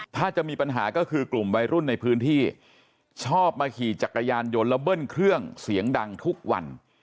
ถ้าจะมีปัญหาก็คือกลุ่มวัยรุ่นในพื้นที่ชอบมาขี่จักรยานยนต์แล้วเบิ้ลเครื่องเสียงดังทุกวัน